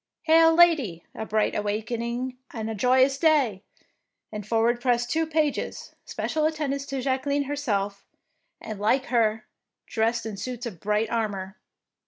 Hail, Lady, a bright awakening and a joyous day"; and forward pressed two pages, special attendants to Jacque line herself, and like her dressed in 83 DEEDS OF DARING suits of bright armour.